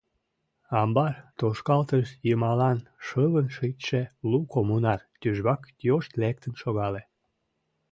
Амбар тошкалтыш йымалан шылын шичше лу коммунар тӱжвак йошт лектын шогале.